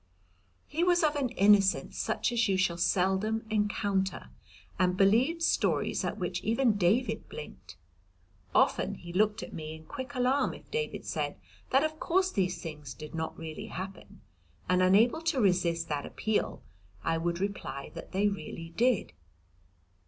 He was of an innocence such as you shall seldom encounter, and believed stories at which even David blinked. Often he looked at me in quick alarm if David said that of course these things did not really happen, and unable to resist that appeal I would reply that they really did.